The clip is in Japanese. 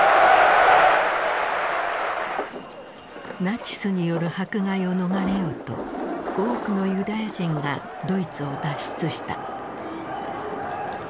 ナチスによる迫害を逃れようと多くのユダヤ人がドイツを脱出した。